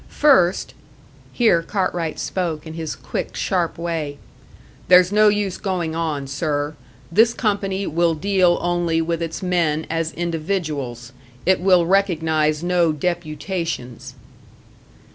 First " Here Cartwright spoke, in his quick, sharp way. "There's no use going on, sir. This company will deal only with its men as individuals. It will recognise no deputations."